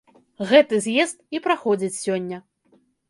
Гэты з'езд і праходзіць сёння.